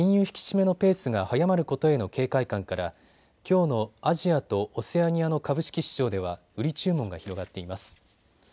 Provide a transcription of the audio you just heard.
引き締めのペースが速まることへの警戒感からきょうのアジアとオセアニアの株式市場では売り注文が広がっています。